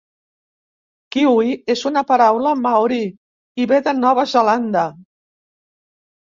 Kiwi és una paraula maori i ve de Nova Zelanda.